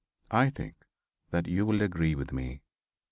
I think that you will || agree with me.